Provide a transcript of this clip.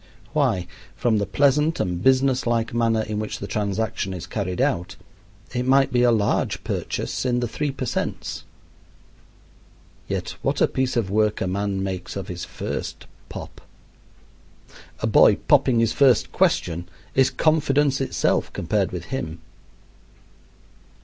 Why, from the pleasant and businesslike manner in which the transaction is carried out, it might be a large purchase in the three per cents. Yet what a piece of work a man makes of his first "pop." A boy popping his first question is confidence itself compared with him.